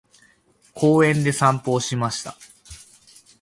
公園で散歩をしました。